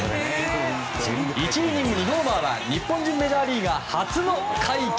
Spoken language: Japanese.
１イニング２ホーマーは日本人メジャーリーガー初の快挙。